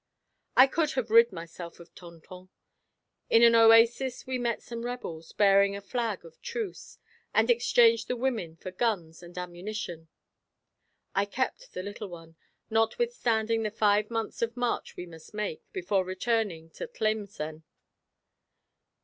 "I could have rid myself of Tonton. In an oasis we met some rebels, bearing a flag of truce, and exchanged the women for guns and ammunition. I kept the little one, notwithstanding the five months of march we must make, before returning to Tlemcen.